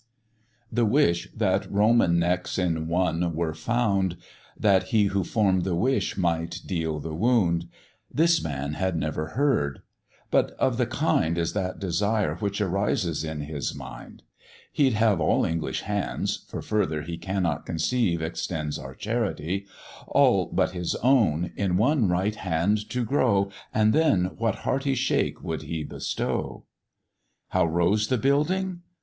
The wish that Roman necks in one were found, That he who form'd the wish might deal the wound, This man had never heard; but of the kind, Is that desire which rises in his mind; He'd have all English hands (for further he Cannot conceive extends our charity), All but his own, in one right hand to grow, And then what hearty shake would he bestow. "How rose the Building?"